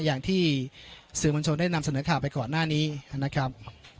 อย่างที่สื่อมวลชนได้นำเสนอข่าวไปก่อนหน้านี้นะครับ